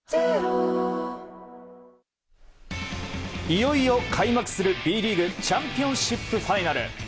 いよいよ開幕するＢリーグチャンピオンシップファイナル。